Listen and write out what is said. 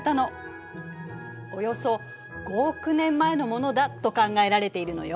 およそ５億年前のものだと考えられているのよ。